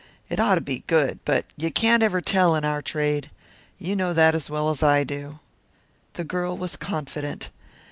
It ought to be good, but you can't ever tell in our trade. You know that as well as I do." The girl was confident.